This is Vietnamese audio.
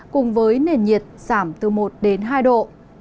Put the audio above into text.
cùng với nền nhiệt giảm từ một đến hai độ